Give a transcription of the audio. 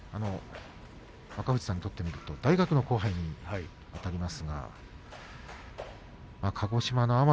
若藤さんにとってみると大学の後輩です。